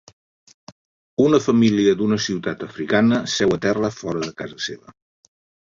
Una família d'una ciutat africana seu a terra fora de casa seva.